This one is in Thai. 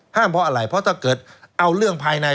เพราะอะไรเพราะถ้าเกิดเอาเรื่องภายใน